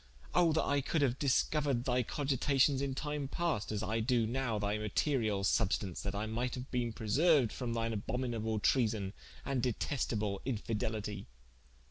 oh that I could haue discoured thy cogitations in time past, as I doe now thy materiall substaunce, that I might haue bene preserued from thine abhominable treason, and detestable infidelitie."